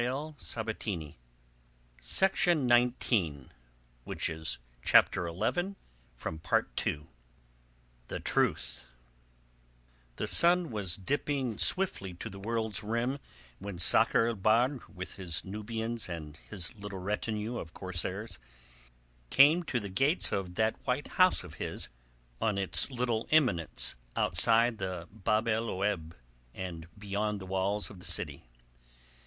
"Cover her face," he bade them. "Bear her to my house. Away!" CHAPTER XI. THE TRUTH The sun was dipping swiftly to the world's rim when Sakr el Bahr with his Nubians and his little retinue of corsairs came to the gates of that white house of his on its little eminence outside the Bab el Oueb and beyond the walls of the city.